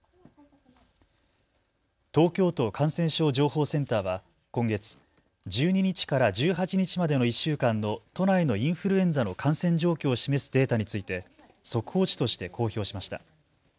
東京都感染症情報センターは今月１２日から１８日までの１週間の都内のインフルエンザの感染状況を示すデータについて速報値として公表しました。